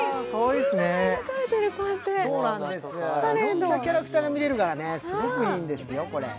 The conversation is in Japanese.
いろんなキャラクターが見られるから、すごくいいんですよ、これ。